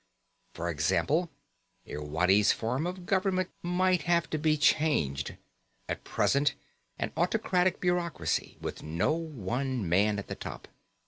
For example, Irwadi's form of government might have to be changed. At present, an autocratic bureaucracy with no one man at the top.